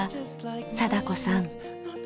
貞子さん。